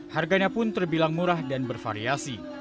harganya pun terbilang murah dan bervariasi